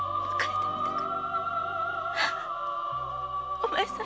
お前さん